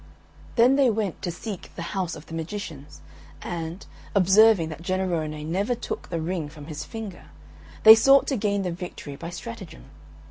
Then they went to seek the house of the magicians, and, observing that Jennarone never took the ring from his finger, they sought to gain the victory by stratagem.